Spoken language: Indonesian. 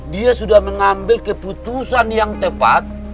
dia sudah mengambil keputusan yang tepat